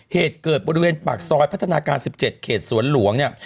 เหตุเกิดบริเวณปากซอยพัฒนาการ๑๗เขตสวนหลวงเนี่ย